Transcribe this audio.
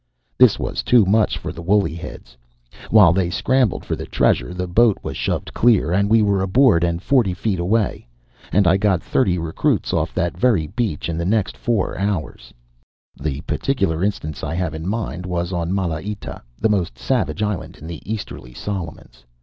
This was too much for the woolly heads. While they scrambled for the treasures, the boat was shoved clear, and we were aboard and forty feet away. And I got thirty recruits off that very beach in the next four hours. The particular instance I have in mind was on Malaita, the most savage island in the easterly Solomons.